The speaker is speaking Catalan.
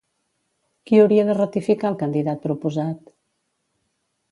Qui hauria de ratificar el candidat proposat?